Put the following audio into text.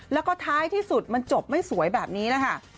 แล้วก็ท้ายที่สุดมันจบไม่สวยแบบนี้นะคะ